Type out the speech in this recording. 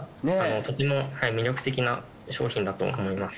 とても魅力的な商品だと思います。